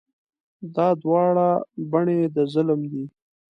دا دواړه بڼې د ظلم دي.